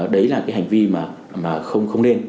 đấy là cái hành vi mà không nên